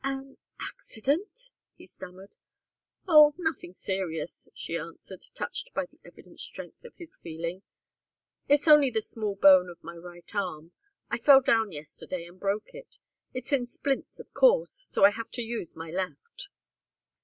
"An accident?" he stammered. "Oh nothing serious," she answered, touched by the evident strength of his feeling. "It's only the small bone of my right arm. I fell down yesterday and broke it. It's in splints, of course, so I have to use my left."